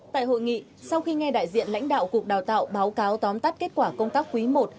tại hội nghị sau khi nghe đại diện lãnh đạo cục đào tạo báo cáo tóm tắt kết quả công tác quý i